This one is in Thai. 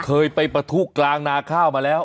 เคยไปปะทุกรางนาข้าวมาแล้ว